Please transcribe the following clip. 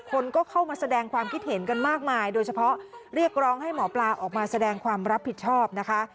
คนก็เข้ามาแสดงความคิดเห็นกันมากมายโดยเฉพาะเรียกร้องให้หมอปลาออกมาแสดงความรับผิดชอบนะคะ